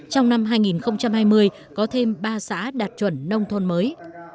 trong năm hai nghìn hai mươi có thêm ba xã đạt chuẩn nông thôn mới